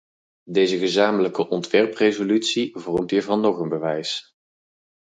Deze gezamenlijke ontwerpresolutie vormt hiervan nog een bewijs.